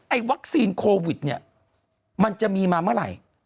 วัคซีนโควิดเนี่ยมันจะมีมาเมื่อไหร่